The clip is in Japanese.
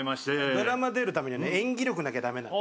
ドラマ出るためには演技力なきゃ駄目なの。